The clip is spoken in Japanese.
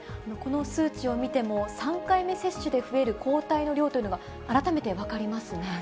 この数値を見ても、３回目接種で増える抗体の量というのが、改めて分かりますね。